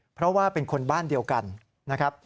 เพราะว่าเป็นคนบ้านเดียวกันนะครับ